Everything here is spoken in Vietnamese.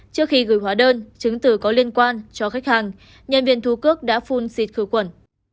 trước khi gửi hóa đơn chứng từ có liên quan cho khách hàng nhân viên thú cước đã phun xịt khử khuẩn